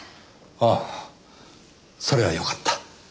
ああそれはよかった。